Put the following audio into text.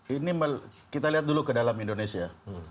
ini kita lihat dulu ke dalam indonesia